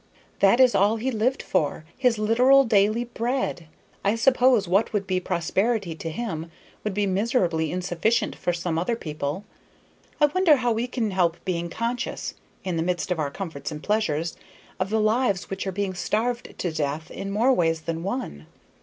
That is all he lived for, his literal daily bread. I suppose what would be prosperity to him would be miserably insufficient for some other people. I wonder how we can help being conscious, in the midst of our comforts and pleasures, of the lives which are being starved to death in more ways than one."